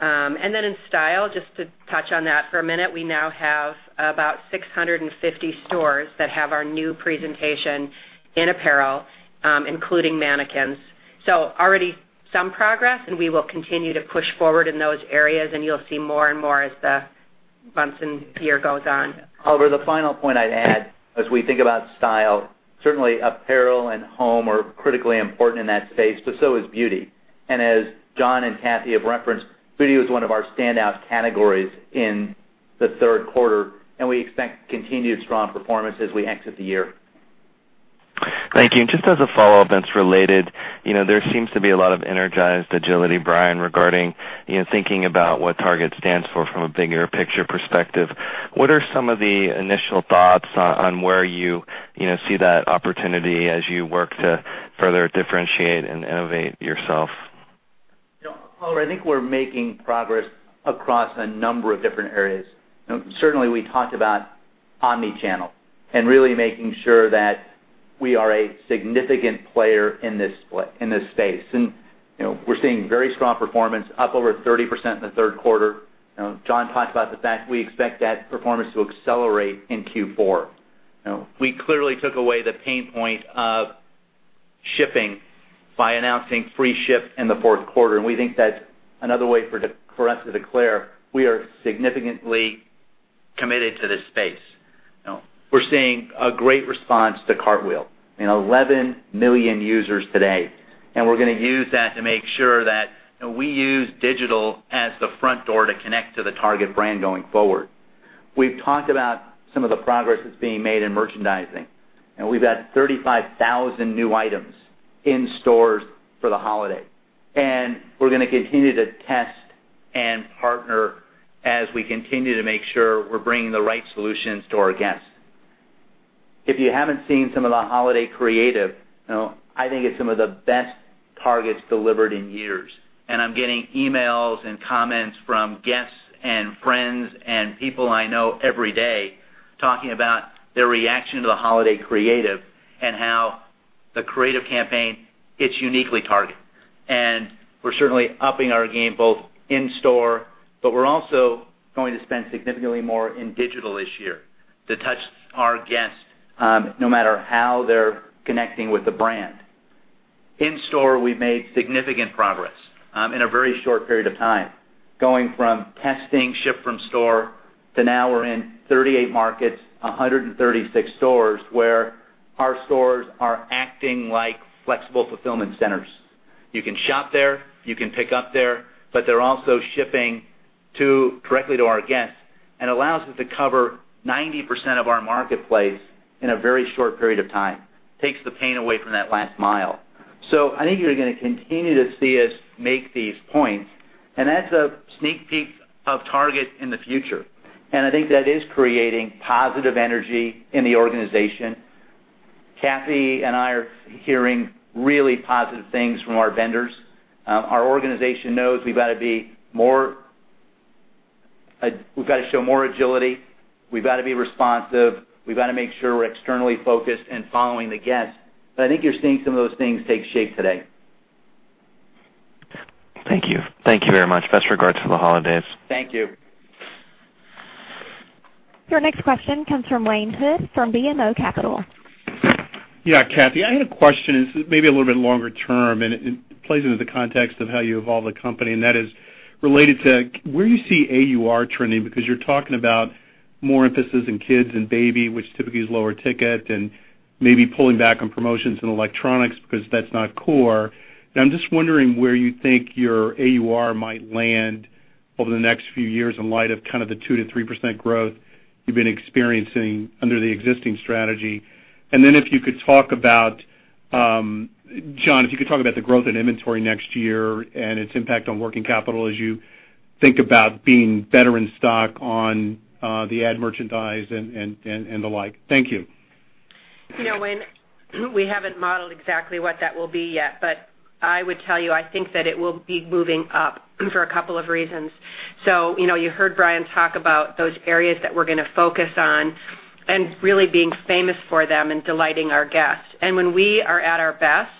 In style, just to touch on that for a minute, we now have about 650 stores that have our new presentation in apparel, including mannequins. Already some progress, and we will continue to push forward in those areas, and you'll see more and more as the months and year goes on. Oliver, the final point I'd add, as we think about style, certainly apparel and home are critically important in that space, but so is beauty. As John and Cathy have referenced, beauty was one of our standout categories in the third quarter, and we expect continued strong performance as we exit the year. Thank you. Just as a follow-up that's related, there seems to be a lot of energized agility, Brian, regarding thinking about what Target stands for from a bigger picture perspective. What are some of the initial thoughts on where you see that opportunity as you work to further differentiate and innovate yourself? Oliver, I think we're making progress across a number of different areas. Certainly, we talked about omni-channel and really making sure that we are a significant player in this space. We're seeing very strong performance, up over 30% in the third quarter. John talked about the fact we expect that performance to accelerate in Q4. We clearly took away the pain point of shipping by announcing free ship in the fourth quarter, and we think that's another way for us to declare we are significantly committed to this space. We're seeing a great response to Cartwheel in 11 million users today, and we're going to use that to make sure that we use digital as the front door to connect to the Target brand going forward. We've talked about some of the progress that's being made in merchandising, we've had 35,000 new items in stores for the holiday. We're going to continue to test and partner as we continue to make sure we're bringing the right solutions to our guests. If you haven't seen some of the holiday creative, I think it's some of the best Target's delivered in years. I'm getting emails and comments from guests and friends and people I know every day, talking about their reaction to the holiday creative and how the creative campaign hits uniquely Target. We're certainly upping our game both in-store, but we're also going to spend significantly more in digital this year to touch our guests, no matter how they're connecting with the brand. In store, we've made significant progress in a very short period of time, going from testing ship from store to now we're in 38 markets, 136 stores, where our stores are acting like flexible fulfillment centers. You can shop there, you can pick up there, but they're also shipping directly to our guests and allows us to cover 90% of our marketplace in a very short period of time. Takes the pain away from that last mile. I think you're going to continue to see us make these points, and that's a sneak peek of Target in the future. I think that is creating positive energy in the organization. Kathy and I are hearing really positive things from our vendors. Our organization knows we've got to show more agility, we've got to be responsive, we've got to make sure we're externally focused and following the guest. I think you're seeing some of those things take shape today. Thank you. Thank you very much. Best regards for the holidays. Thank you. Your next question comes from Wayne Hood from BMO Capital. Yeah. Kathy, I had a question. This may be a little bit longer term, it plays into the context of how you evolve the company, that is related to where you see AUR trending, because you're talking about more emphasis in kids and baby, which typically is lower ticket, maybe pulling back on promotions in electronics because that's not core. I'm just wondering where you think your AUR might land over the next few years in light of kind of the 2%-3% growth you've been experiencing under the existing strategy. If you could talk about, John, if you could talk about the growth in inventory next year and its impact on working capital as you think about being better in stock on the ad merchandise and the like. Thank you. Wayne, we haven't modeled exactly what that will be yet, but I would tell you, I think that it will be moving up for a couple of reasons. You heard Brian talk about those areas that we're going to focus on and really being famous for them and delighting our guests. When we are at our best,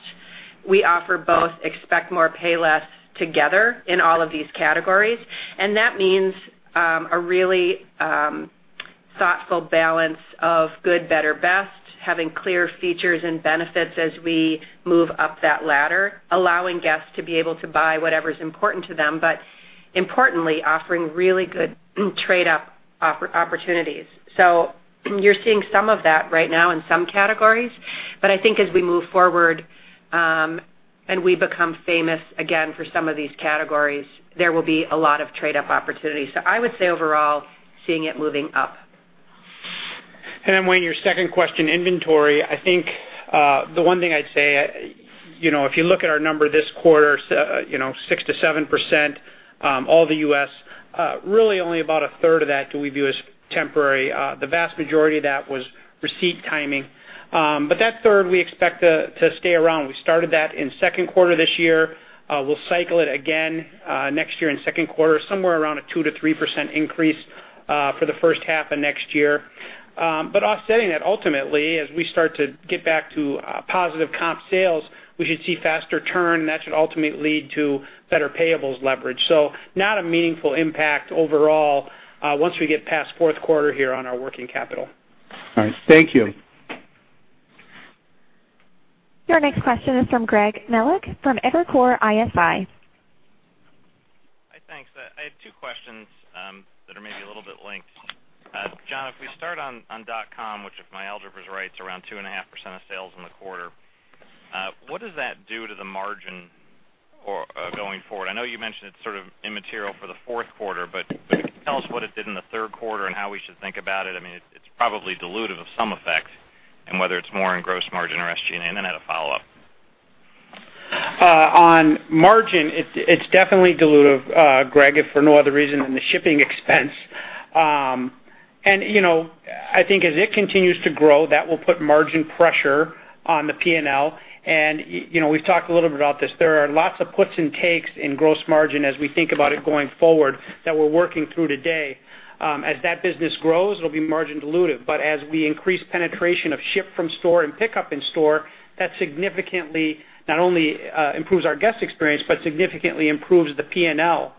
we offer both Expect More. Pay Less. together in all of these categories. That means, a really thoughtful balance of good, better, best, having clear features and benefits as we move up that ladder, allowing guests to be able to buy whatever's important to them, but importantly, offering really good trade-up opportunities. You're seeing some of that right now in some categories. I think as we move forward, and we become famous again for some of these categories, there will be a lot of trade-up opportunities. I would say overall, seeing it moving up. Wayne, your second question, inventory, I think, the one thing I'd say, if you look at our number this quarter, 6%-7%, all the U.S., really only about a third of that do we view as temporary. The vast majority of that was receipt timing. That third we expect to stay around. We started that in second quarter this year. We'll cycle it again next year in second quarter, somewhere around a 2%-3% increase, for the first half of next year. Offsetting that ultimately, as we start to get back to positive comp sales, we should see faster turn, and that should ultimately lead to better payables leverage. Not a meaningful impact overall, once we get past fourth quarter here on our working capital. All right. Thank you. Your next question is from Greg Melich from Evercore ISI. Hi, thanks. I have two questions that are maybe a little bit linked. John, if we start on dot.com, which if my algebra is right, is around 2.5% of sales in the quarter, what does that do to the margin going forward? I know you mentioned it's sort of immaterial for the fourth quarter, but could you tell us what it did in the third quarter and how we should think about it? It's probably dilutive of some effect, and whether it's more in gross margin or SG&A. I had a follow-up. On margin, it's definitely dilutive, Greg, if for no other reason than the shipping expense. I think as it continues to grow, that will put margin pressure on the P&L. We've talked a little bit about this. There are lots of puts and takes in gross margin as we think about it going forward that we're working through today. As that business grows, it'll be margin dilutive. As we increase penetration of ship from store and pickup in store, that significantly not only improves our guest experience but significantly improves the P&L.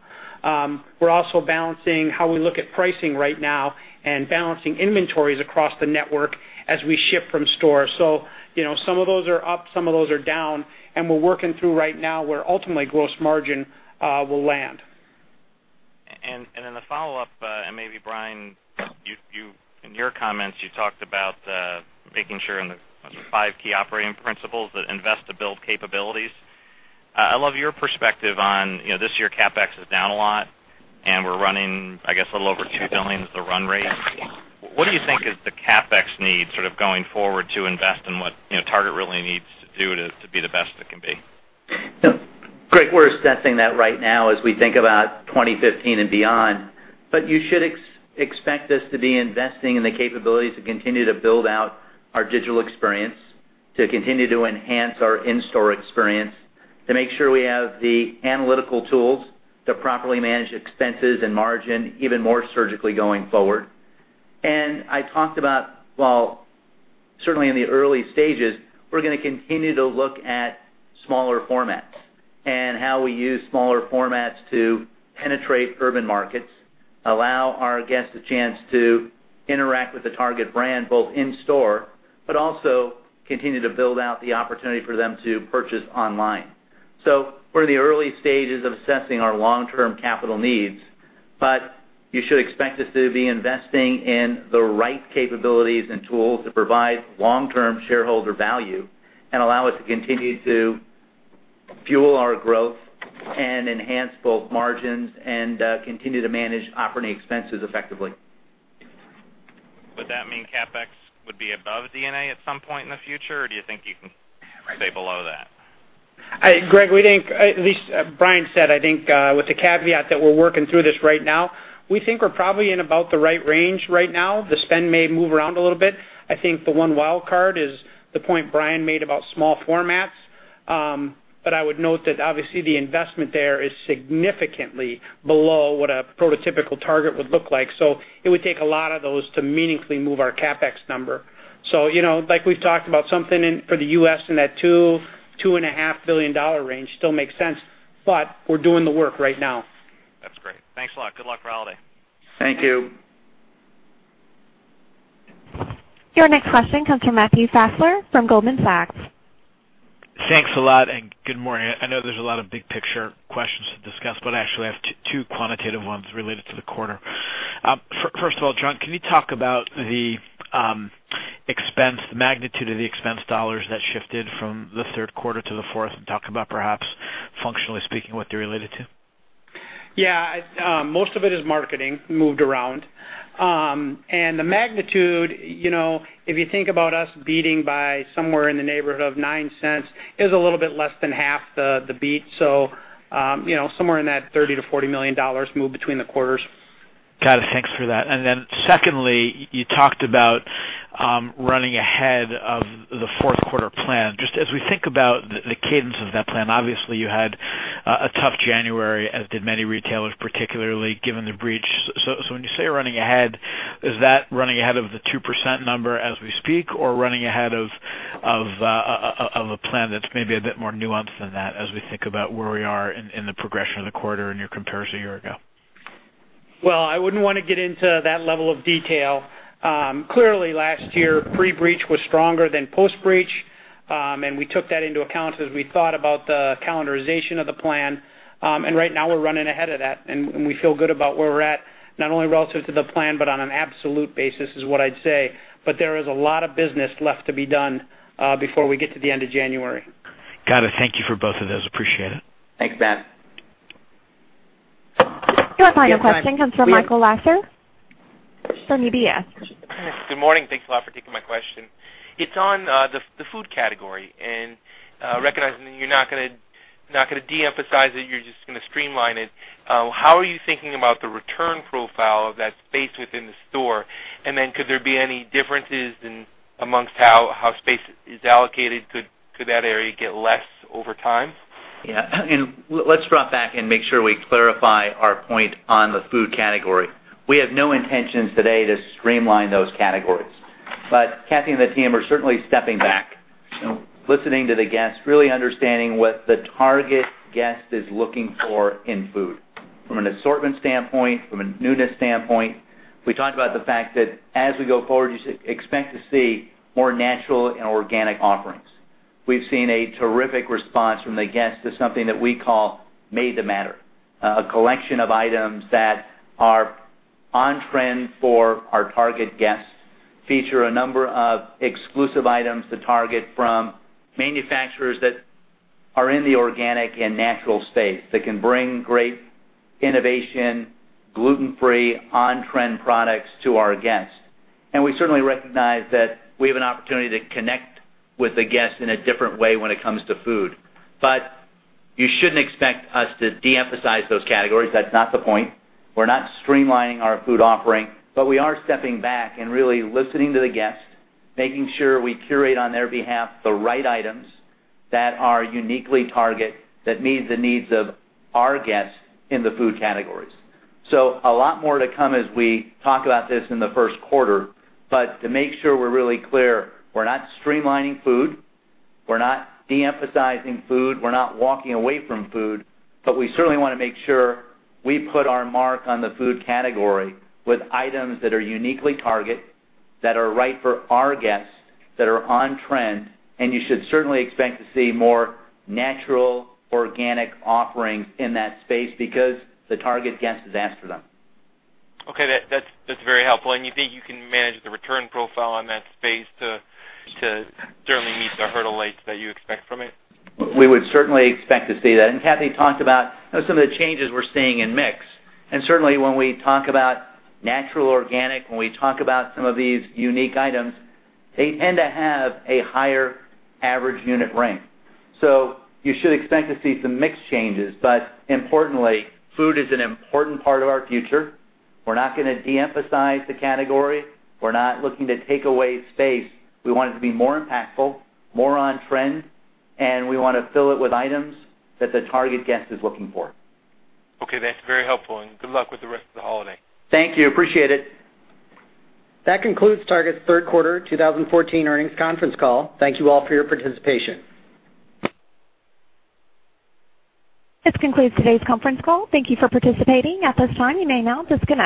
We're also balancing how we look at pricing right now and balancing inventories across the network as we ship from store. Some of those are up, some of those are down, and we're working through right now where ultimately gross margin will land. The follow-up, maybe Brian, in your comments, you talked about making sure in the five key operating principles that invest to build capabilities. I'd love your perspective on, this year CapEx is down a lot, and we're running, I guess, a little over $2 billion is the run rate. What do you think is the CapEx need sort of going forward to invest in what Target really needs to do to be the best it can be? Greg, we're assessing that right now as we think about 2015 and beyond. You should expect us to be investing in the capabilities to continue to build out our digital experience, to continue to enhance our in-store experience, to make sure we have the analytical tools to properly manage expenses and margin even more surgically going forward. I talked about, while certainly in the early stages, we're going to continue to look at smaller formats and how we use smaller formats to penetrate urban markets, allow our guests the chance to interact with the Target brand, both in store, but also continue to build out the opportunity for them to purchase online. We're in the early stages of assessing our long-term capital needs, but you should expect us to be investing in the right capabilities and tools to provide long-term shareholder value and allow us to continue to fuel our growth and enhance both margins and continue to manage operating expenses effectively. Would that mean CapEx would be above D&A at some point in the future, or do you think you can stay below that? Greg, we think, at least Brian said, I think, with the caveat that we're working through this right now, we think we're probably in about the right range right now. The spend may move around a little bit. I think the one wild card is the point Brian made about small formats. I would note that obviously the investment there is significantly below what a prototypical Target would look like. It would take a lot of those to meaningfully move our CapEx number. Like we've talked about something in for the U.S. in that $2 billion-$2.5 billion range still makes sense. We're doing the work right now. That's great. Thanks a lot. Good luck for holiday. Thank you. Your next question comes from Matthew Fassler from Goldman Sachs. Thanks a lot and good morning. I know there's a lot of big picture questions to discuss, but actually I have two quantitative ones related to the quarter. First of all, John, can you talk about the expense, the magnitude of the expense dollars that shifted from the third quarter to the fourth, and talk about, perhaps functionally speaking, what they're related to? Yeah. Most of it is marketing moved around. The magnitude, if you think about us beating by somewhere in the neighborhood of $0.09, is a little bit less than half the beat. Somewhere in that $30 million-$40 million move between the quarters. Got it. Thanks for that. Secondly, you talked about running ahead of the fourth quarter plan. Just as we think about the cadence of that plan, obviously you had a tough January, as did many retailers, particularly given the breach. When you say running ahead, is that running ahead of the 2% number as we speak or running ahead of a plan that's maybe a bit more nuanced than that, as we think about where we are in the progression of the quarter and your comparison a year ago? I wouldn't want to get into that level of detail. Clearly, last year, pre-breach was stronger than post-breach, and we took that into account as we thought about the calendarization of the plan. Right now, we're running ahead of that, and we feel good about where we're at, not only relative to the plan, but on an absolute basis, is what I'd say. There is a lot of business left to be done before we get to the end of January. Got it. Thank you for both of those. Appreciate it. Thanks, Matt. Your final question comes from Michael Lasser from UBS. Good morning. Thanks a lot for taking my question. Recognizing that you're not going to de-emphasize it, you're just going to streamline it, how are you thinking about the return profile of that space within the store? Could there be any differences amongst how space is allocated? Could that area get less over time? Yeah. Let's drop back and make sure we clarify our point on the food category. We have no intentions today to streamline those categories. Cathy and the team are certainly stepping back, listening to the guests, really understanding what the Target guest is looking for in food. From an assortment standpoint, from a newness standpoint, we talked about the fact that as we go forward, you should expect to see more natural and organic offerings. We've seen a terrific response from the guests to something that we call Made to Matter, a collection of items that are on trend for our Target guests, feature a number of exclusive items to Target from manufacturers that are in the organic and natural space, that can bring great innovation, gluten-free, on-trend products to our guests. We certainly recognize that we have an opportunity to connect with the guests in a different way when it comes to food. You shouldn't expect us to de-emphasize those categories. That's not the point. We're not streamlining our food offering, but we are stepping back and really listening to the guests, making sure we curate on their behalf the right items that are uniquely Target, that meet the needs of our guests in the food categories. A lot more to come as we talk about this in the first quarter. To make sure we're really clear, we're not streamlining food, we're not de-emphasizing food, we're not walking away from food. We certainly want to make sure we put our mark on the food category with items that are uniquely Target, that are right for our guests, that are on trend, and you should certainly expect to see more natural, organic offerings in that space because the Target guest has asked for them. That's very helpful. You think you can manage the return profile on that space to certainly meet the hurdle rates that you expect from it? We would certainly expect to see that. Cathy talked about some of the changes we're seeing in mix. Certainly, when we talk about natural, organic, when we talk about some of these unique items, they tend to have a higher average unit Retail. You should expect to see some mix changes. Importantly, food is an important part of our future. We're not going to de-emphasize the category. We're not looking to take away space. We want it to be more impactful, more on trend, and we want to fill it with items that the Target guest is looking for. Okay, that's very helpful. Good luck with the rest of the holiday. Thank you. Appreciate it. That concludes Target's third quarter 2014 earnings conference call. Thank you all for your participation. This concludes today's conference call. Thank you for participating. At this time, you may now disconnect.